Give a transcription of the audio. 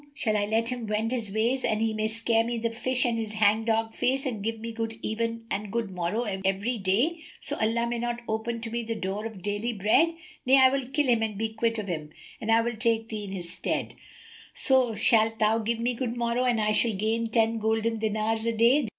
Shall I let him wend his ways that he may scare me the fish with his hang dog face and give me good even and good morrow every day, so Allah may not open to me the door of daily bread? Nay, I will kill him and be quit of him and I will take thee in his stead; so shalt thou give me good morrow and I shall gain ten golden dinars a day."